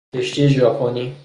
کشتی ژاپنی